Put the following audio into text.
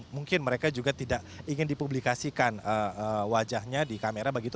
mungkin mereka juga tidak ingin dipublikasikan wajahnya di kamera begitu